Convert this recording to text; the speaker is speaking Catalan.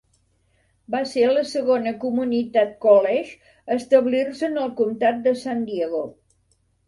Va ser la segona comunitat college a establir-se en el comtat de San Diego.